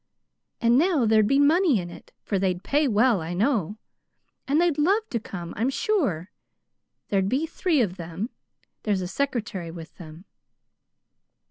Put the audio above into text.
And now there'd be money in it, for they'd pay well, I know; and they'd love to come, I'm sure. There'd be three of them there's a secretary with them."